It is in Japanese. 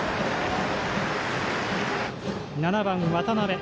７番、渡辺。